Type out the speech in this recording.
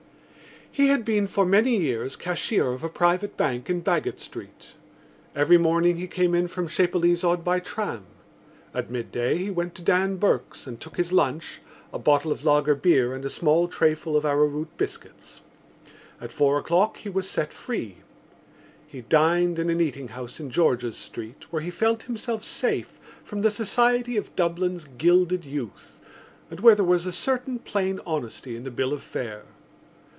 He had been for many years cashier of a private bank in Baggot Street. Every morning he came in from Chapelizod by tram. At midday he went to Dan Burke's and took his lunch—a bottle of lager beer and a small trayful of arrowroot biscuits. At four o'clock he was set free. He dined in an eating house in George's Street where he felt himself safe from the society of Dublin's gilded youth and where there was a certain plain honesty in the bill of fare.